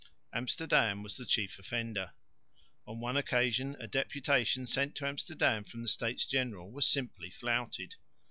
Amsterdam was the chief offender. On one occasion a deputation sent to Amsterdam from the States General was simply flouted.